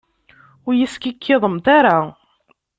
Ur iyi-skikkiḍemt ara!